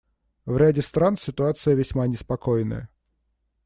В ряде стран ситуация весьма неспокойная.